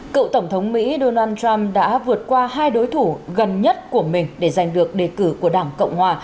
cựu tổng thống mỹ donald trump đã vượt qua hai đối thủ gần nhất của mình để giành được đề cử của đảng cộng hòa